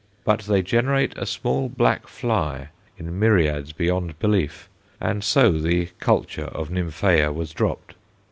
But they generate a small black fly in myriads beyond belief, and so the culture of Nymphæa was dropped.